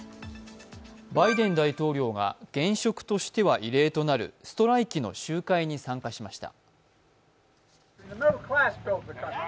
バイデン大統領が現職としては異例となるストライキの集会に参加しました。